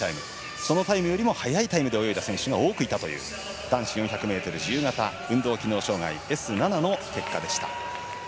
そのタイムよりも早いタイムで泳いだ選手が多くいた男子４００ｍ自由形運動機能障がいＳ７の結果でした。